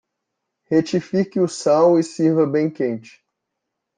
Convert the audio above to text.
Retifique o sal e sirva bem quente.